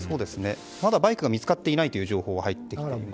まだバイクは見つかっていないという情報が入ってきてます。